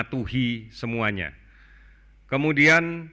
kami ingin membuat kemas kesehatan kejayaan